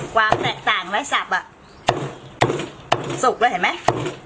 ความแตกต่างไม้สับอ่ะสุกเลยเห็นไหม